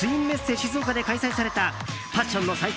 静岡で開催されたファッションの祭典